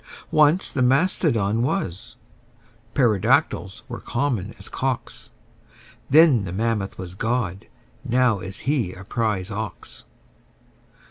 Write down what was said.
Once the mastodon was: pterodactyls were common as cocks: Then the mammoth was God: now is He a prize ox.